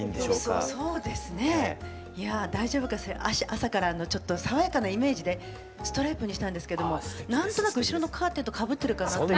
朝からちょっと爽やかなイメージでストライプにしたんですけども何となく後ろのカーテンとかぶってるかなと。